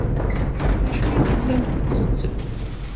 D acu ay tellam tettettem?